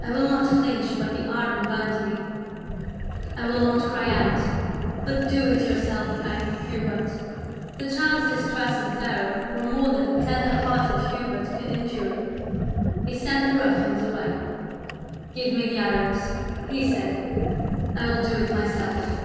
I will not flinch when the iron burns me ; I will not cry out. But do it yourself, kind Hubert." The child's distress and terror were more than the tender hearted Hubert could endure. He sent the ruffians away. " Give me the irons," he said, " I will do it myself."